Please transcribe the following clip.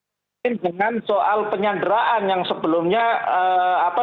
mungkin dengan soal penyanderaan yang sebelumnya apa